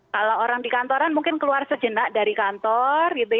kalau orang di kantoran mungkin keluar sejenak dari kantor